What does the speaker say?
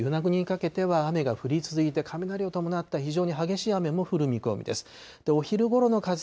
ここ、石垣からそして与那国にかけては雨が降り続いて、雷を伴った非常に激しい雨も降る見込みです。